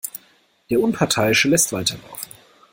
Der Unparteiische lässt weiterlaufen.